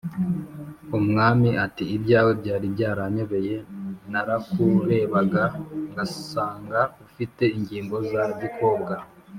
Umwami ati «ibyawe byari byaranyobeye; narakurebaga ngasanga ufite ingingo za gikobwa